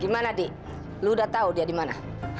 gimana di lu udah tau dia dimana